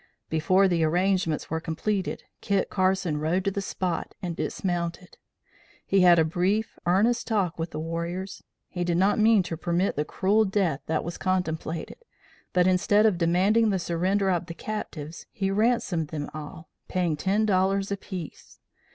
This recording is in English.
Before the arrangements were completed, Kit Carson rode to the spot and dismounted. He had a brief, earnest talk with the warriors. He did not mean to permit the cruel death that was contemplated, but instead of demanding the surrender of the captives, he ransomed them all, paying ten dollars a piece.